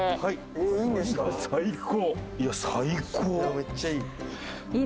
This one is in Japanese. めっちゃいい。